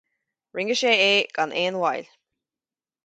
Rinne sé é gan aon mhoill.